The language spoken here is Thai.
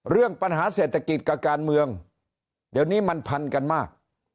เรื่องปัญหาเศรษฐกิจกับการเมืองเดี๋ยวนี้มันพันกันมาก